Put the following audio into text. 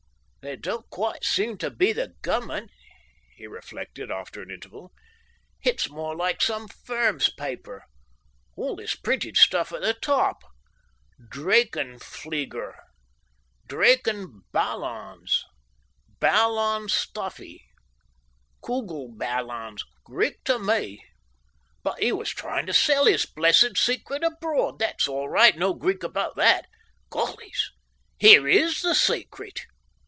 "They don't quite seem to be the gov'ment," he reflected, after an interval. "It's more like some firm's paper. All this printed stuff at the top. Drachenflieger. Drachenballons. Ballonstoffe. Kugelballons. Greek to me. "But he was trying to sell his blessed secret abroad. That's all right. No Greek about that! Gollys! Here IS the secret!"